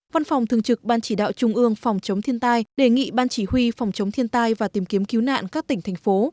văn phòng thường trực ban chỉ đạo trung ương phòng chống thiên tai đề nghị ban chỉ huy phòng chống thiên tai và tìm kiếm cứu nạn các tỉnh thành phố